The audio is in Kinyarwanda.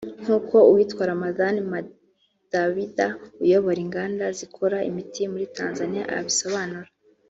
nk’uko uwitwa Ramadhan Madabida uyobora inganda zikora imiti muri Tanzania abisobanura